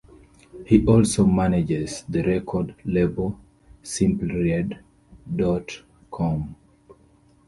He also manages the record label simplyred dot com.